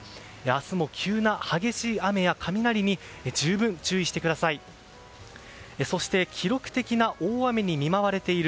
明日も急な激しい雨や雷に十分注意してください。